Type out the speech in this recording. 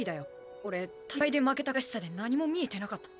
俺大会で負けた悔しさで何も見えてなかった。